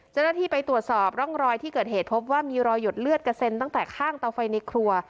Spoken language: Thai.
เจ้าหน้าที่ไปตรวจสอบร่องรอยที่เกิดเหตุพบว่ามีรอยหยดเลือดกระเซ็นตั้งแต่ข้างเตาไฟในครัว